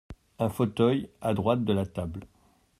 Un fauteuil à droite de la table.